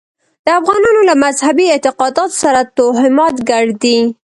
د افغانانو له مذهبي اعتقاداتو سره توهمات ګډ دي.